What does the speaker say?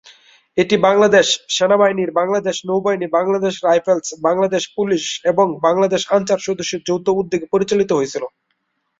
এটি বাংলাদেশ সেনাবাহিনীর, বাংলাদেশ নৌবাহিনী, বাংলাদেশ রাইফেলস, বাংলাদেশ পুলিশ এবং বাংলাদেশ আনসার সদস্যদের যৌথ উদ্যোগে পরিচালিত হয়েছিলো।